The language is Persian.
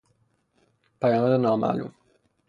پیامد نامعلوم